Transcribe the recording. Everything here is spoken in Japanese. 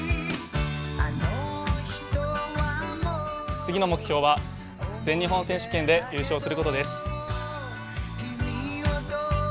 次の目標は全日本選手権で優勝することです。